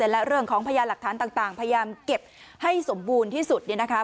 และเรื่องของพยานหลักฐานต่างพยายามเก็บให้สมบูรณ์ที่สุดเนี่ยนะคะ